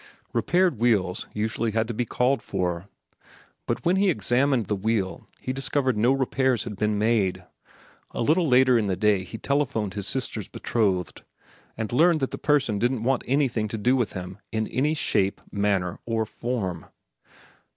Repaired wheels usually had to be called for. But when he examined the wheel, he discovered no repairs had been made. A little later in the day he telephoned his sister's betrothed, and learned that that person didn't want anything to do with him in "any shape, manner, or form."